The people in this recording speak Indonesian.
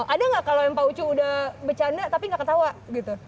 ada nggak kalau yang pak ucu udah bercanda tapi nggak ketawa gitu